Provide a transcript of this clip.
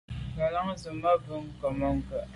Ngelan ze me na’ mbe mônke’.